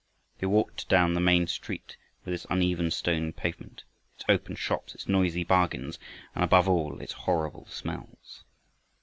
They walked down the main street with its uneven stone pavement, its open shops, its noisy bargains, and above all its horrible smells.